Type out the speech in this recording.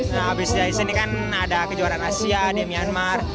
nah habis dari sini kan ada kejuaraan asia di myanmar